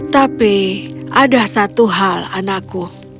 tapi ada satu hal anakku